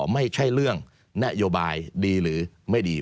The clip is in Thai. ไม่ใช่เรื่องนโยบายดีหรือไม่ดี